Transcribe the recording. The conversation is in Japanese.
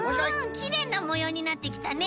きれいなもようになってきたね。